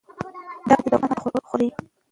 دا پردی دولت ماتې خوري.